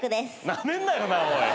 なめんなよなおい。